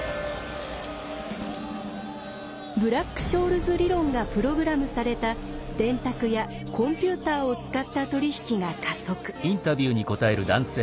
ブラック・ショールズ理論がプログラムされた電卓やコンピューターを使った取り引きが加速。